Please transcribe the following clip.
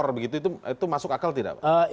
eror begitu itu masuk akal tidak pak